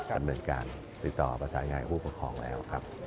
กันเหมือนกันติดต่อประสานงานผู้ประคองแล้วครับ